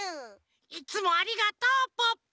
いつもありがとうポッポ。